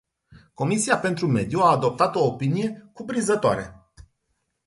Comisia pentru mediu a adoptat o opinie cuprinzătoare.